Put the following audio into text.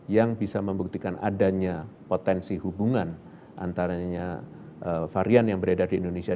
yang bisa membuktikan adanya potensi hubungan antaranya varian yang beredar di indonesia